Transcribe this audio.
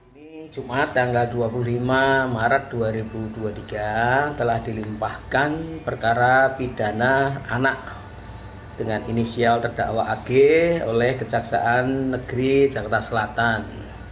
ini jumat tanggal dua puluh lima maret dua ribu dua puluh tiga telah dilimpahkan perkara pidana anak dengan inisial terdakwa ag oleh kejaksaan negeri jakarta selatan